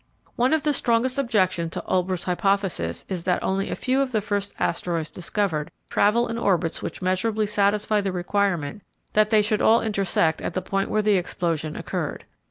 One of the strongest objections to Olbers' hypothesis is that only a few of the first asteroids discovered travel in orbits which measurably satisfy the requirement that they should all intersect at the point where the explosion occurred.